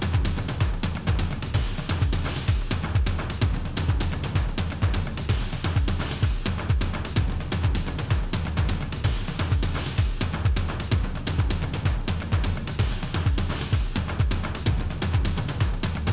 โปรดติดตามตอนต่อไป